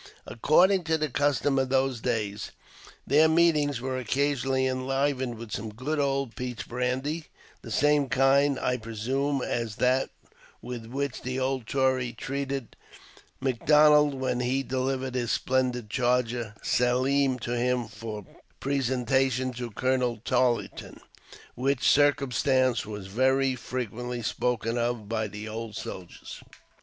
According to the custom of those days, their meetings were occasionally enlivened with some good old peach brandy ; the same kind, I presume, as that with which the old Tory treated M' Donald when he delivered his splendid charger " Selim " to him for presenta tion to Colonel Tarleton, which circumstance was very fre quently spoken of by the old soldiers.